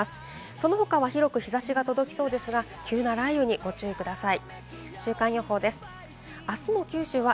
その他は広く日差しが届きそうですが、急な雷雨にご注意ください。